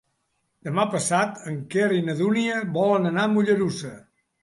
Demà passat en Quer i na Dúnia volen anar a Mollerussa.